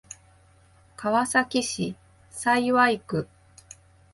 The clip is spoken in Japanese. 川崎市幸区